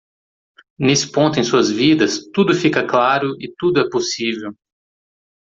Nesse ponto em suas vidas, tudo fica claro e tudo é possível.